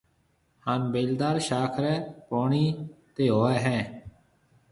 هانَ بيلدار شاخ ري پوڻِي هوئي هيَ۔